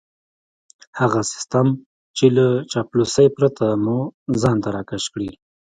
هغه سيستم چې له چاپلوسۍ پرته مو ځان ته راکش کړي.